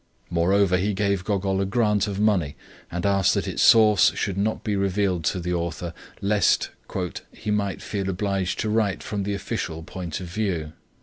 Moreover, he gave Gogol a grant of money, and asked that its source should not be revealed to the author lest "he might feel obliged to write from the official point of view."